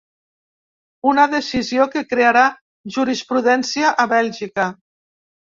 Una decisió que crearà jurisprudència a Bèlgica.